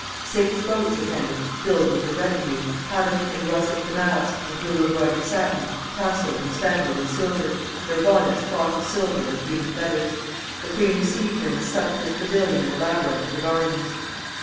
Six boats attended filled with her retinue, habited in russet damask and blue embroidered satin, tasseled and spangled with silver; their bonnets cloth of silver with green feathers. The queen received her in a sumptuous pavilion in the labyrinth of the gardens.